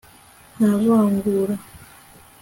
nta vangura